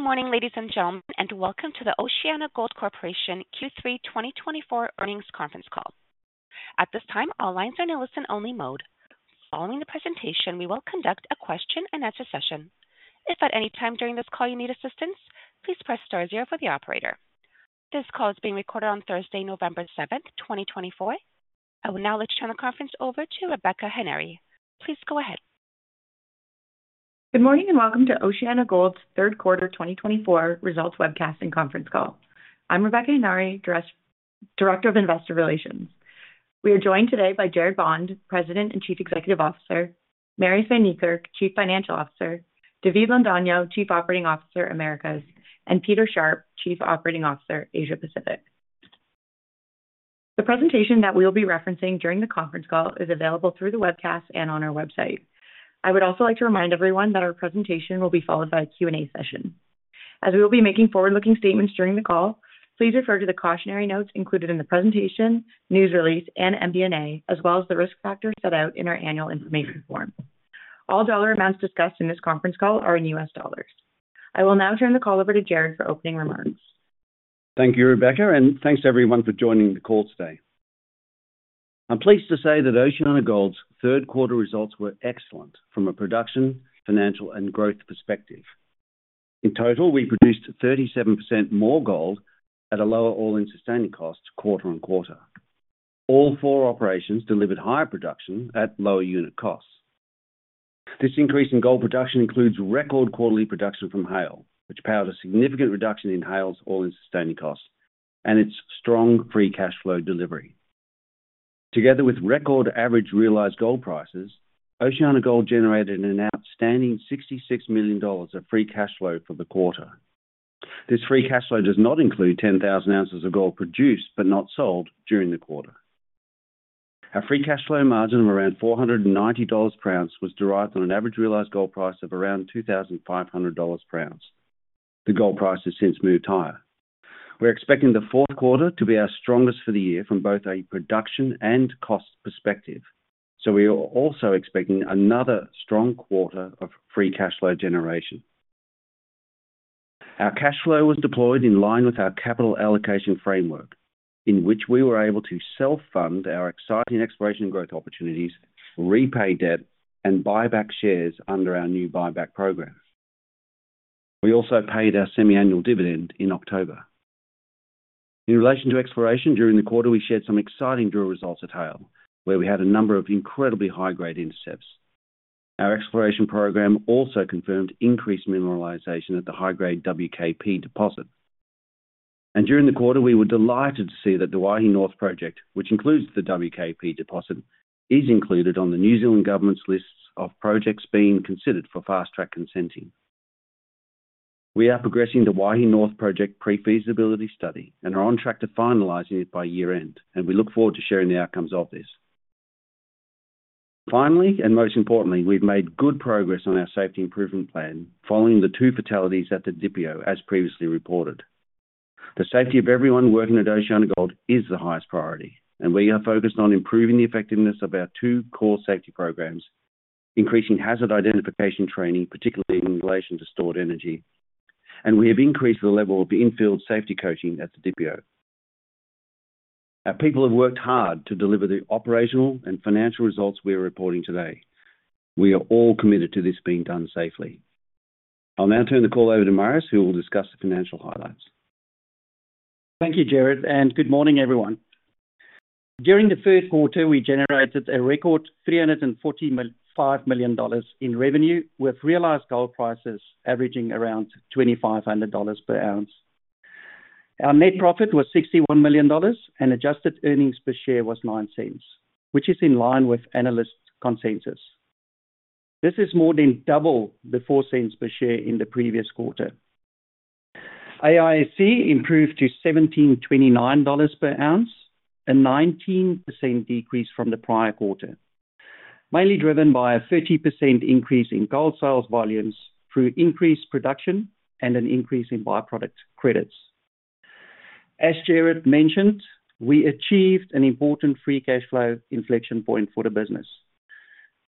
Good morning, ladies and gentlemen, and welcome to the OceanaGold Corporation Q3 2024 earnings conference call. At this time, all lines are in a listen-only mode. Following the presentation, we will conduct a question-and-answer session. If at any time during this call you need assistance, please press star zero for the operator. This call is being recorded on Thursday, November 7th, 2024. I will now turn the conference over to Rebecca Henare. Please go ahead. Good morning and welcome to OceanaGold's third quarter 2024 results webcast and conference call. I'm Rebecca Henare, Director of Investor Relations. We are joined today by Gerard Bond, President and Chief Executive Officer, Marius van Niekerk, Chief Financial Officer, David Londono, Chief Operating Officer, Americas, and Peter Sharpe, Chief Operating Officer, Asia-Pacific. The presentation that we will be referencing during the conference call is available through the webcast and on our website. I would also like to remind everyone that our presentation will be followed by a Q&A session. As we will be making forward-looking statements during the call, please refer to the cautionary notes included in the presentation, news release, and MD&A, as well as the risk factors set out in our annual information form. All dollar amounts discussed in this conference call are in U.S. dollars. I will now turn the call over to Gerard for opening remarks. Thank you, Rebecca, and thanks to everyone for joining the call today. I'm pleased to say that OceanaGold's third quarter results were excellent from a production, financial, and growth perspective. In total, we produced 37% more gold at a lower all-in sustaining cost quarter on quarter. All four operations delivered higher production at lower unit costs. This increase in gold production includes record quarterly production from Haile, which powered a significant reduction in Haile's all-in sustaining cost and its strong free cash flow delivery. Together with record average realized gold prices, OceanaGold generated an outstanding $66 million of free cash flow for the quarter. This free cash flow does not include 10,000 ounces of gold produced but not sold during the quarter. Our free cash flow margin of around $490 per ounce was derived on an average realized gold price of around $2,500 per ounce. The gold price has since moved higher. We're expecting the fourth quarter to be our strongest for the year from both a production and cost perspective, so we are also expecting another strong quarter of free cash flow generation. Our cash flow was deployed in line with our capital allocation framework, in which we were able to self-fund our exciting exploration growth opportunities, repay debt, and buy back shares under our new buy back program. We also paid our semi-annual dividend in October. In relation to exploration, during the quarter, we shared some exciting drill results at Haile, where we had a number of incredibly high-grade intercepts. Our exploration program also confirmed increased mineralization at the high-grade WKP deposit. During the quarter, we were delighted to see that the Waihi North Project, which includes the WKP deposit, is included on the New Zealand government's list of projects being considered for Fast-track Consenting. We are progressing the Waihi North Project pre-feasibility study and are on track to finalize it by year-end, and we look forward to sharing the outcomes of this. Finally, and most importantly, we've made good progress on our safety improvement plan following the two fatalities at the DPO, as previously reported. The safety of everyone working at OceanaGold is the highest priority, and we are focused on improving the effectiveness of our two core safety programs, increasing hazard identification training, particularly in relation to stored energy, and we have increased the level of infield safety coaching at the DPO. Our people have worked hard to deliver the operational and financial results we are reporting today. We are all committed to this being done safely. I'll now turn the call over to Marius, who will discuss the financial highlights. Thank you, Gerard, and good morning, everyone. During the third quarter, we generated a record $345 million in revenue, with realized gold prices averaging around $2,500 per ounce. Our net profit was $61 million, and adjusted earnings per share was $0.09, which is in line with analyst consensus. This is more than double the $0.04 per share in the previous quarter. AISC improved to $1,729 per ounce, a 19% decrease from the prior quarter, mainly driven by a 30% increase in gold sales volumes through increased production and an increase in byproduct credits. As Gerard mentioned, we achieved an important free cash flow inflection point for the business.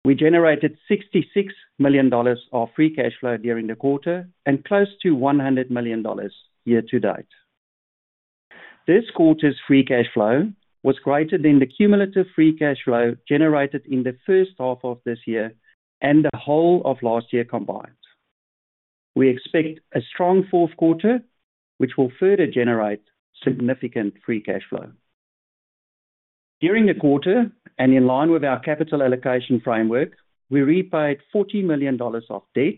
We generated $66 million of free cash flow during the quarter and close to $100 million year-to-date. This quarter's free cash flow was greater than the cumulative free cash flow generated in the first half of this year and the whole of last year combined. We expect a strong fourth quarter, which will further generate significant free cash flow. During the quarter, and in line with our capital allocation framework, we repaid $40 million of debt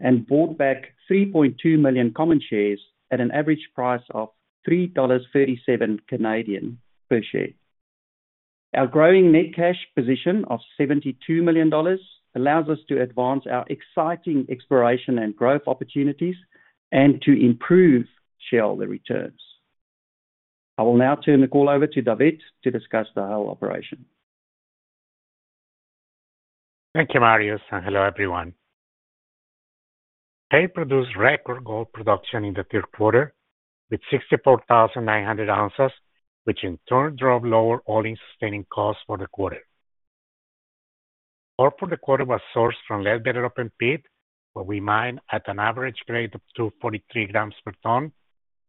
and bought back 3.2 million common shares at an average price of $3.37 per share. Our growing net cash position of $72 million allows us to advance our exciting exploration and growth opportunities and to improve shareholder returns. I will now turn the call over to David to discuss the Haile operation. Thank you, Marius, and hello, everyone. Haile produced record gold production in the third quarter, with 64,900 ounces, which in turn drove lower all-in sustaining costs for the quarter. Ore for the quarter, it was sourced from Ledbetter open pit, where we mined at an average grade of 243 grams per ton,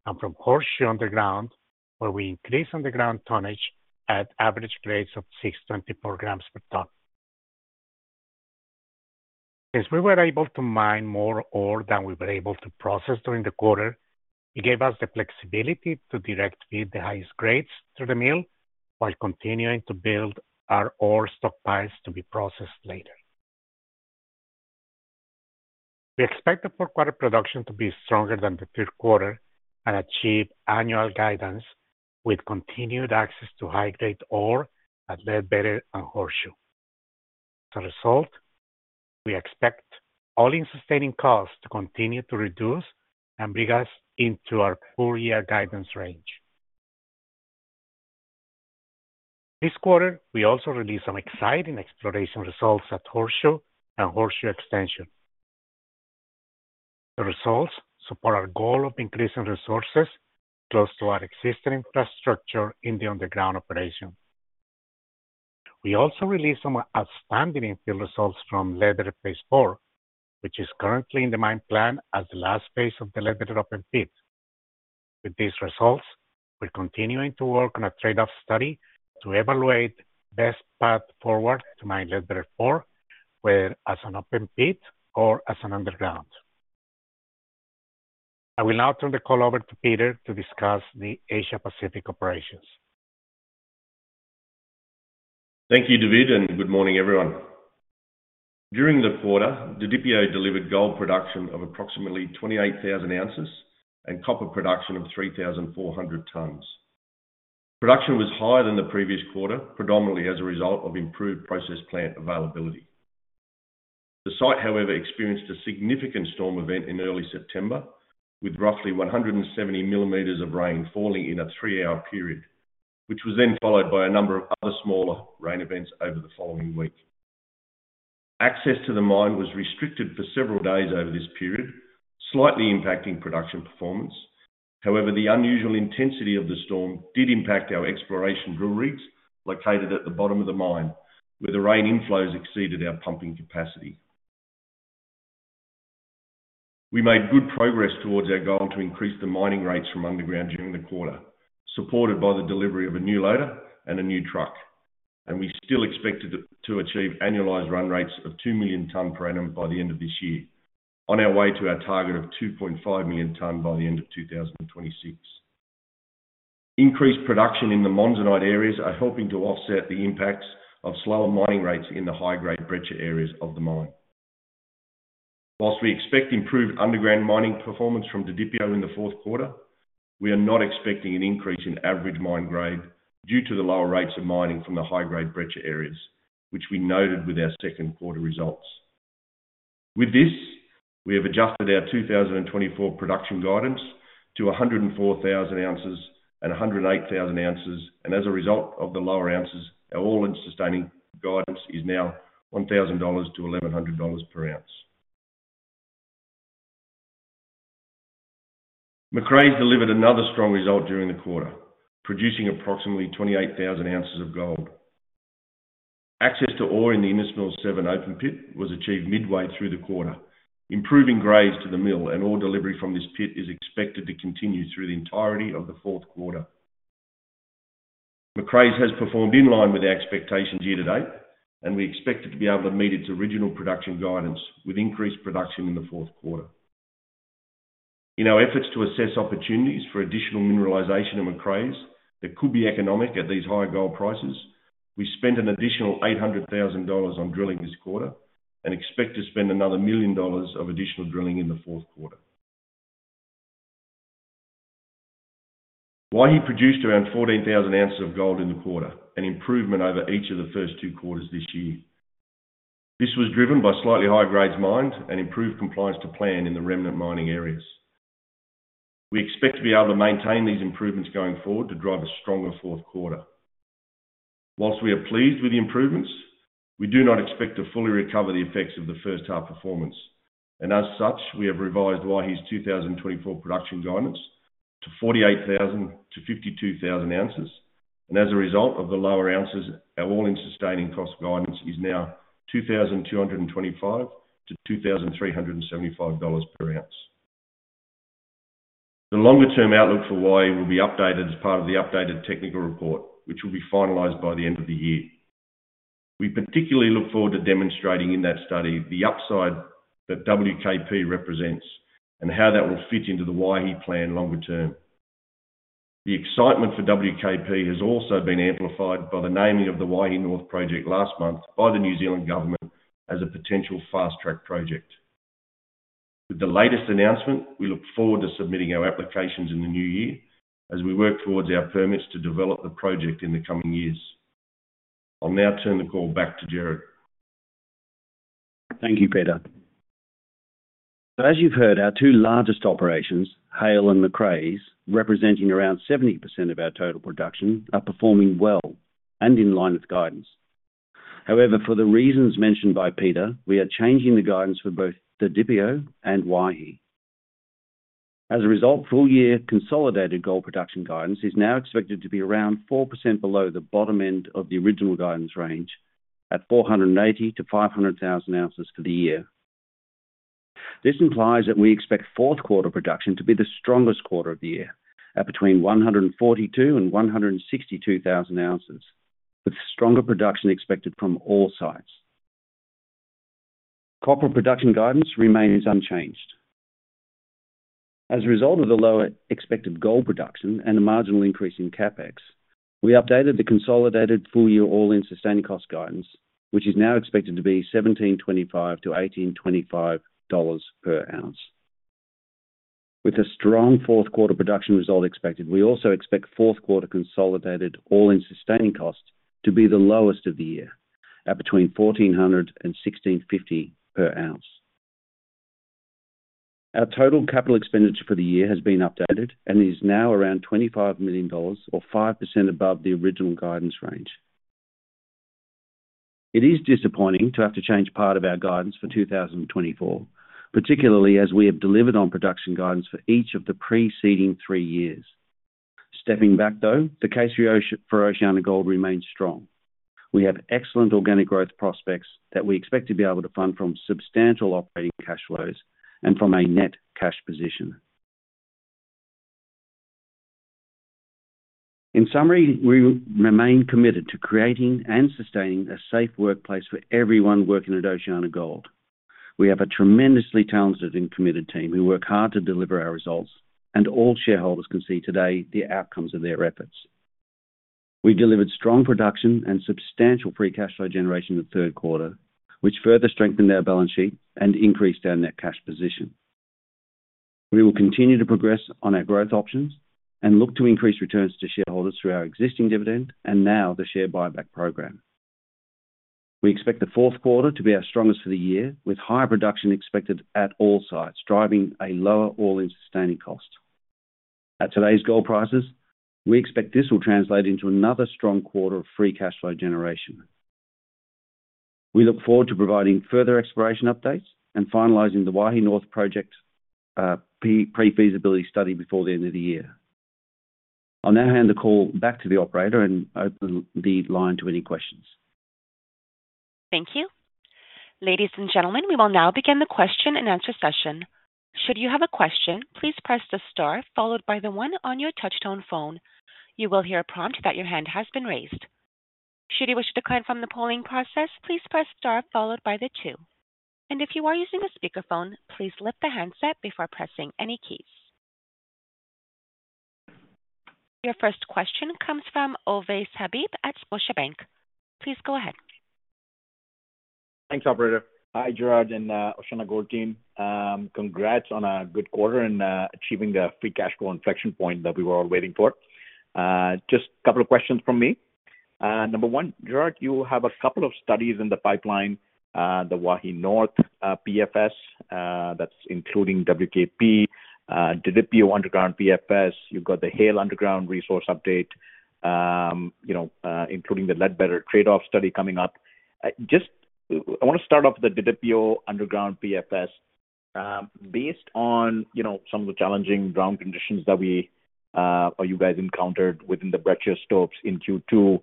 and from Horseshoe Underground, where we increased underground tonnage at average grades of 624 grams per ton. Since we were able to mine more ore than we were able to process during the quarter, it gave us the flexibility to direct feed the highest grades through the mill while continuing to build our ore stockpiles to be processed later. We expect the fourth quarter production to be stronger than the third quarter and achieve annual guidance with continued access to high-grade ore at Ledbetter and Horseshoe. As a result, we expect All-in Sustaining Costs to continue to reduce and bring us into our four-year guidance range. This quarter, we also released some exciting exploration results at Horseshoe and Horseshoe extension. The results support our goal of increasing resources close to our existing infrastructure in the underground operation. We also released some outstanding infill results from Ledbetter phase four, which is currently in the mine plan as the last phase of the Ledbetter open pit. With these results, we're continuing to work on a trade-off study to evaluate the best path forward to mine Ledbetter four, whether as an open pit or as an underground. I will now turn the call over to Peter to discuss the Asia-Pacific operations. Thank you, David, and good morning, everyone. During the quarter, the DPO delivered gold production of approximately 28,000 ounces and copper production of 3,400 tons. Production was higher than the previous quarter, predominantly as a result of improved process plant availability. The site, however, experienced a significant storm event in early September, with roughly 170 millimeters of rain falling in a three-hour period, which was then followed by a number of other smaller rain events over the following week. Access to the mine was restricted for several days over this period, slightly impacting production performance. However, the unusual intensity of the storm did impact our exploration drill rigs located at the bottom of the mine, where the rain inflows exceeded our pumping capacity. We made good progress towards our goal to increase the mining rates from underground during the quarter, supported by the delivery of a new loader and a new truck, and we still expected to achieve annualized run rates of 2 million tonnes per annum by the end of this year, on our way to our target of 2.5 million tonnes by the end of 2026. Increased production in the Monzonite areas are helping to offset the impacts of slower mining rates in the high-grade breccia areas of the mine. While we expect improved underground mining performance from the DPO in the fourth quarter, we are not expecting an increase in average mine grade due to the lower rates of mining from the high-grade breccia areas, which we noted with our second quarter results. With this, we have adjusted our 2024 production guidance to 104,000 ounces and 108,000 ounces, and as a result of the lower ounces, our All-in Sustaining guidance is now $1,000-$1,100 per ounce. Macraes delivered another strong result during the quarter, producing approximately 28,000 ounces of gold. Access to ore in the Innes Mills 7 open pit was achieved midway through the quarter, improving grades to the mill, and ore delivery from this pit is expected to continue through the entirety of the fourth quarter. Macraes has performed in line with our expectations year-to-date, and we expect it to be able to meet its original production guidance with increased production in the fourth quarter. In our efforts to assess opportunities for additional mineralization at Macraes, that could be economic at these high gold prices, we spent an additional $800,000 on drilling this quarter and expect to spend another $1 million on additional drilling in the fourth quarter. Waihi produced around 14,000 ounces of gold in the quarter, an improvement over each of the first two quarters this year. This was driven by slightly higher grades mined and improved compliance to plan in the remnant mining areas. We expect to be able to maintain these improvements going forward to drive a stronger fourth quarter. While we are pleased with the improvements, we do not expect to fully recover the effects of the first half performance, and as such, we have revised Waihi's 2024 production guidance to 48,000-52,000 ounces, and as a result of the lower ounces, our all-in sustaining cost guidance is now $2,225-$2,375 per ounce. The longer-term outlook for Waihi will be updated as part of the updated technical report, which will be finalized by the end of the year. We particularly look forward to demonstrating in that study the upside that WKP represents and how that will fit into the Waihi plan longer term. The excitement for WKP has also been amplified by the naming of the Waihi North project last month by the New Zealand government as a potential fast-track project. With the latest announcement, we look forward to submitting our applications in the new year as we work towards our permits to develop the project in the coming years. I'll now turn the call back to Gerard. Thank you, Peter. So as you've heard, our two largest operations, HALE and Macraes, representing around 70% of our total production, are performing well and in line with guidance. However, for the reasons mentioned by Peter, we are changing the guidance for both the DPO and Waihi. As a result, full-year consolidated gold production guidance is now expected to be around 4% below the bottom end of the original guidance range at 480-500,000 ounces for the year. This implies that we expect fourth quarter production to be the strongest quarter of the year at between 142 and 162,000 ounces, with stronger production expected from all sites. Copper production guidance remains unchanged. As a result of the lower expected gold production and the marginal increase in CapEx, we updated the consolidated full-year all-in sustaining cost guidance, which is now expected to be $1,725-$1,825 per ounce. With a strong fourth quarter production result expected, we also expect fourth quarter consolidated all-in sustaining cost to be the lowest of the year at between $1,400 and $1,650 per ounce. Our total capital expenditure for the year has been updated and is now around $25 million, or 5% above the original guidance range. It is disappointing to have to change part of our guidance for 2024, particularly as we have delivered on production guidance for each of the preceding three years. Stepping back, though, the case for OceanaGold remains strong. We have excellent organic growth prospects that we expect to be able to fund from substantial operating cash flows and from a net cash position. In summary, we remain committed to creating and sustaining a safe workplace for everyone working at OceanaGold. We have a tremendously talented and committed team who work hard to deliver our results, and all shareholders can see today the outcomes of their efforts. We delivered strong production and substantial free cash flow generation in the third quarter, which further strengthened our balance sheet and increased our net cash position. We will continue to progress on our growth options and look to increase returns to shareholders through our existing dividend and now the share buyback program. We expect the fourth quarter to be our strongest for the year, with higher production expected at all sites, driving a lower all-in sustaining cost. At today's gold prices, we expect this will translate into another strong quarter of free cash flow generation. We look forward to providing further exploration updates and finalizing the Waihi North project pre-feasibility study before the end of the year. I'll now hand the call back to the operator and open the line to any questions. Thank you. Ladies and gentlemen, we will now begin the question and answer session. Should you have a question, please press the star followed by the one on your touch-tone phone. You will hear a prompt that your hand has been raised. Should you wish to decline from the polling process, please press star followed by the two. And if you are using a speakerphone, please lift the handset before pressing any keys. Your first question comes from Ovais Habib at Scotiabank. Please go ahead. Thanks, Operator. Hi, Gerard and OceanaGold team. Congrats on a good quarter and achieving the free cash flow inflection point that we were all waiting for. Just a couple of questions from me. Number one, Gerard, you have a couple of studies in the pipeline, the Waihi North PFS, that's including WKP, DPO underground PFS. You've got the Haile underground resource update, including the Ledbetter trade-off study coming up. Just I want to start off with the DPO underground PFS. Based on some of the challenging ground conditions that you guys encountered within the breccia stopes in Q2,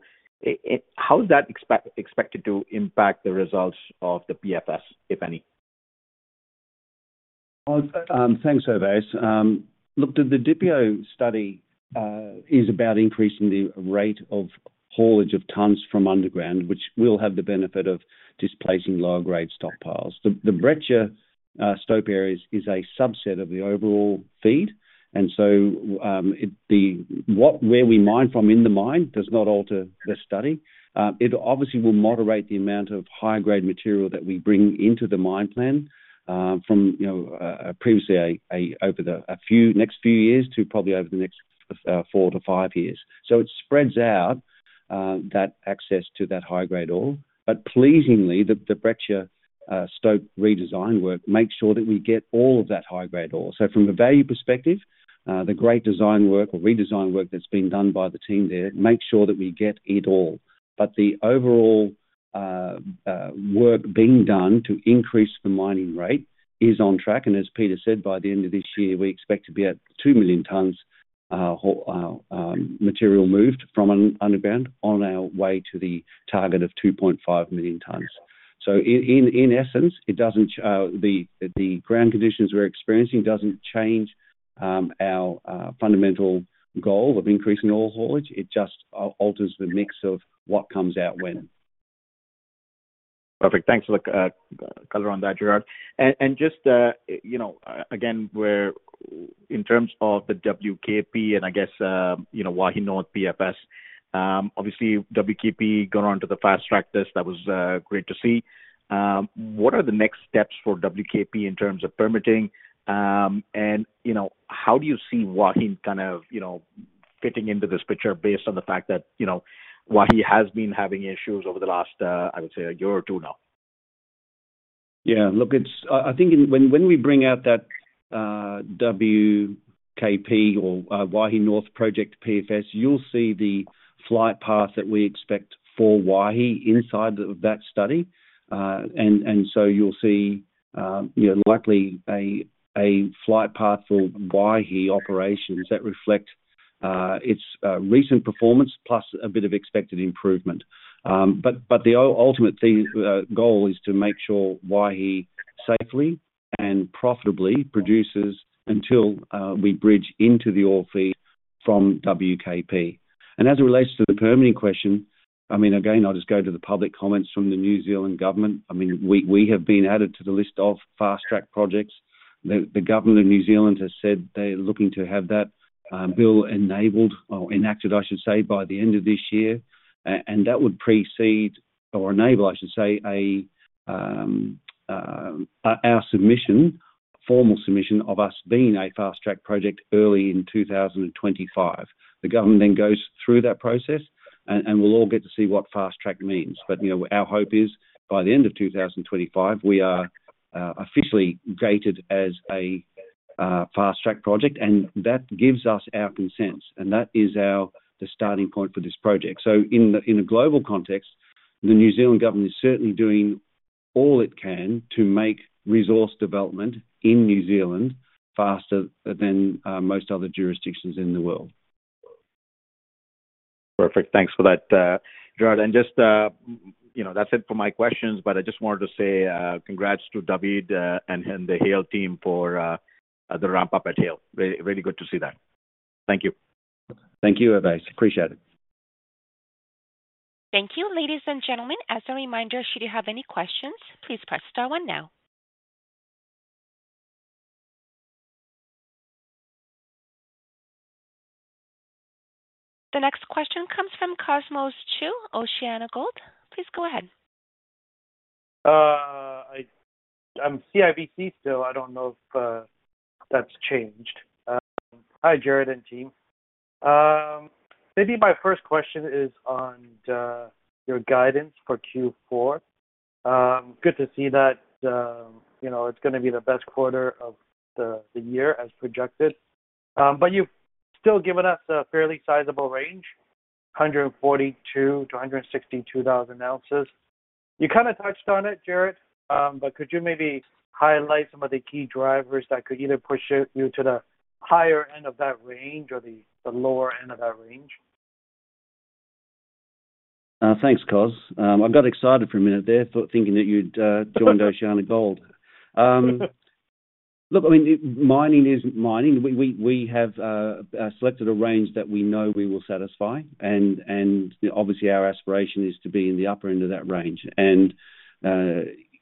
how is that expected to impact the results of the PFS, if any? Thanks, Oveis. Look, the DPO study is about increasing the rate of haulage of tonnes from underground, which will have the benefit of displacing lower-grade stockpiles. The breccia stope area is a subset of the overall feed, and so where we mine from in the mine does not alter the study. It obviously will moderate the amount of high-grade material that we bring into the mine plan from previously over the next few years to probably over the next four to five years. So it spreads out that access to that high-grade ore. But pleasingly, the breccia stope redesign work makes sure that we get all of that high-grade ore. So from a value perspective, the great design work or redesign work that's been done by the team there, it makes sure that we get it all. The overall work being done to increase the mining rate is on track. As Peter said, by the end of this year, we expect to be at 2 million tonnes material moved from underground on our way to the target of 2.5 million tonnes. In essence, the ground conditions we're experiencing doesn't change our fundamental goal of increasing all haulage. It just alters the mix of what comes out when. Perfect. Thanks for the color on that, Gerard. And just again, in terms of the WKP and I guess Waihi North PFS, obviously, WKP got onto the fast track list. That was great to see. What are the next steps for WKP in terms of permitting? And how do you see Waihi kind of fitting into this picture based on the fact that Waihi has been having issues over the last, I would say, a year or two now? Yeah. Look, I think when we bring out that WKP or Waihi North project PFS, you'll see the flight path that we expect for Waihi inside of that study. And so you'll see likely a flight path for Waihi Operation that reflects its recent performance plus a bit of expected improvement. But the ultimate goal is to make sure Waihi safely and profitably produces until we bridge into the ore feed from WKP. And as it relates to the permitting question, I mean, again, I'll just go to the public comments from the New Zealand government. I mean, we have been added to the list of fast-track projects. The government of New Zealand has said they're looking to have that bill enabled or enacted, I should say, by the end of this year. And that would precede or enable, I should say, our formal submission of us being a fast-track project early in 2025. The government then goes through that process, and we'll all get to see what fast-track means. But our hope is by the end of 2025, we are officially gated as a fast-track project, and that gives us our consents. And that is the starting point for this project. So in a global context, the New Zealand government is certainly doing all it can to make resource development in New Zealand faster than most other jurisdictions in the world. Perfect. Thanks for that, Gerard. And just that's it for my questions, but I just wanted to say congrats to David and the Haile team for the ramp-up at Haile. Really good to see that. Thank you. Thank you, Oveis. Appreciate it. Thank you. Ladies and gentlemen, as a reminder, should you have any questions, please press star one now. The next question comes from Cosmos Chiu, OceanaGold. Please go ahead. I'm CIBC still. I don't know if that's changed. Hi, Gerard and team. Maybe my first question is on your guidance for Q4. Good to see that it's going to be the best quarter of the year as projected. But you've still given us a fairly sizable range, 142,000-162,000 ounces. You kind of touched on it, Gerard, but could you maybe highlight some of the key drivers that could either push you to the higher end of that range or the lower end of that range? Thanks, Coz. I got excited for a minute there thinking that you'd joined OceanaGold. Look, I mean, mining is mining. We have selected a range that we know we will satisfy. And obviously, our aspiration is to be in the upper end of that range. And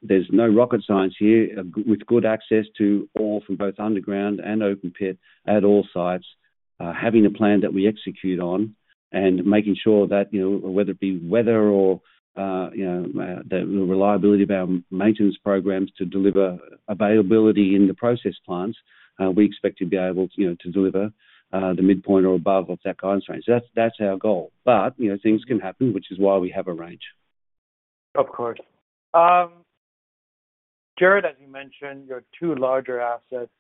there's no rocket science here with good access to ore from both underground and open pit at all sites, having a plan that we execute on, and making sure that whether it be weather or the reliability of our maintenance programs to deliver availability in the process plants, we expect to be able to deliver the midpoint or above of that guidance range. That's our goal. But things can happen, which is why we have a range. Of course. Gerard, as you mentioned, your two larger assets,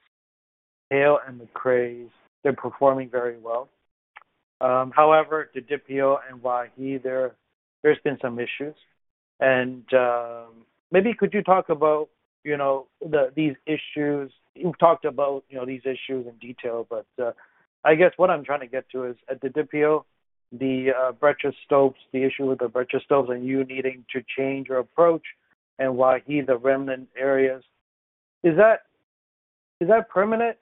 Haile and Macraes, they're performing very well. However, the DPO and Waihi, there's been some issues, and maybe could you talk about these issues? You've talked about these issues in detail, but I guess what I'm trying to get to is at the DPO, the breccia stopes, the issue with the breccia stopes and you needing to change your approach and Waihi, the remnant areas. Is that permanent?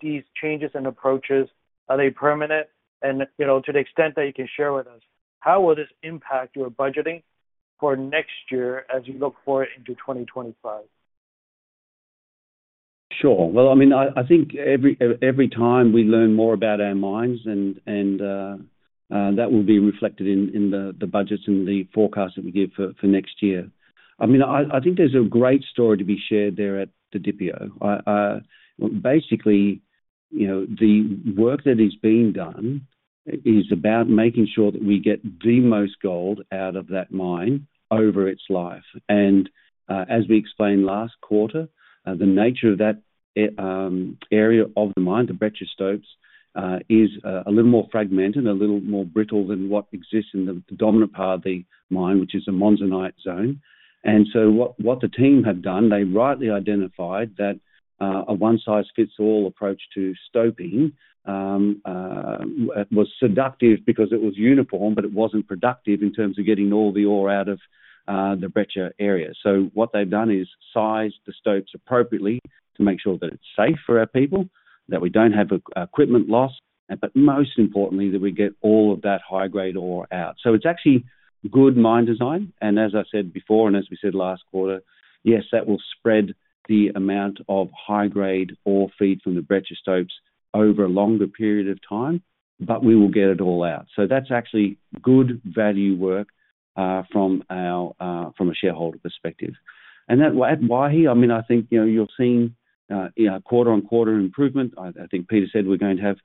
These changes and approaches, are they permanent, and to the extent that you can share with us, how will this impact your budgeting for next year as you look forward into 2025? Sure. Well, I mean, I think every time we learn more about our mines, and that will be reflected in the budgets and the forecast that we give for next year. I mean, I think there's a great story to be shared there at the DPO. Basically, the work that is being done is about making sure that we get the most gold out of that mine over its life. And as we explained last quarter, the nature of that area of the mine, the breccia stopes, is a little more fragmented, a little more brittle than what exists in the dominant part of the mine, which is the monzonite zone. And so what the team have done, they rightly identified that a one-size-fits-all approach to stoping was seductive because it was uniform, but it wasn't productive in terms of getting all the ore out of the breccia area. So what they've done is size the stopes appropriately to make sure that it's safe for our people, that we don't have equipment loss, but most importantly, that we get all of that high-grade ore out. So it's actually good mine design. And as I said before, and as we said last quarter, yes, that will spread the amount of high-grade ore feed from the breccia stopes over a longer period of time, but we will get it all out. So that's actually good value work from a shareholder perspective. And at Waihi, I mean, I think you've seen quarter-on-quarter improvement. I think Peter said we're going to have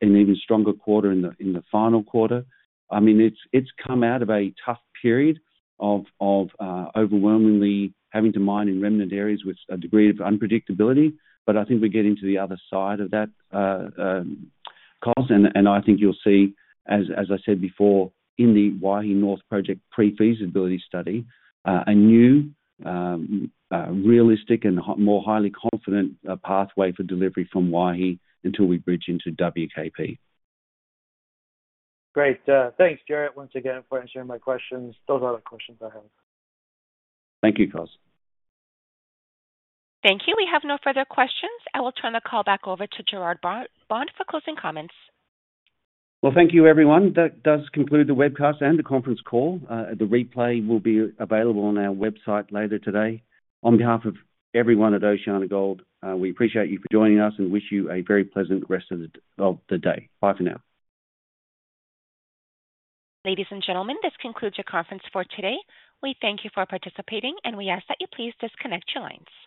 an even stronger quarter in the final quarter. I mean, it's come out of a tough period of overwhelmingly having to mine in remnant areas with a degree of unpredictability. But I think we're getting to the other side of that, Coz. And I think you'll see, as I said before, in the Waihi North Project pre-feasibility study, a new, realistic, and more highly confident pathway for delivery from Waihi until we bridge into WKP. Great. Thanks, Gerard, once again, for answering my questions. Those are the questions I have. Thank you, Coz. Thank you. We have no further questions. I will turn the call back over to Gerard Bond for closing comments. Thank you, everyone. That does conclude the webcast and the conference call. The replay will be available on our website later today. On behalf of everyone at OceanaGold, we appreciate you for joining us and wish you a very pleasant rest of the day. Bye for now. Ladies and gentlemen, this concludes your conference for today. We thank you for participating, and we ask that you please disconnect your lines.